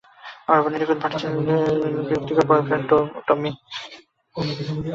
আমার বোনের নিঁখুত, ভার্জিন, বিরক্তিকর বয়ফ্রেন্ড টমি।